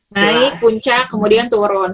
naik puncak kemudian turun